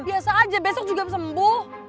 biasa aja besok juga sembuh